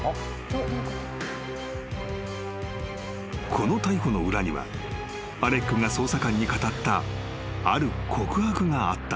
［この逮捕の裏にはアレックが捜査官に語ったある告白があった］